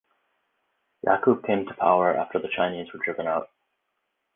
Yaqub came to power after the Chinese were driven out.